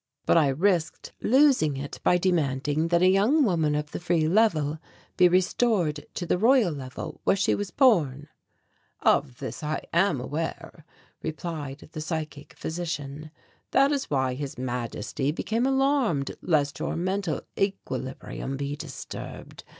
But I risked losing it by demanding that a young woman of the Free Level be restored to the Royal Level where she was born." "Of this I am aware," replied the psychic physician. "That is why His Majesty became alarmed lest your mental equilibrium be disturbed.